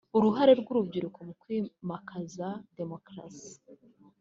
”Uruhare rw’Urubyiruko mu Kwimakaza Demokarasi”